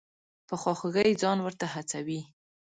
په خواخوږۍ ځان ورته هڅوي.